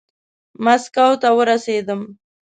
ماسکو ته ورسېدم.